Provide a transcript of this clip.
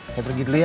saya pergi dulu ya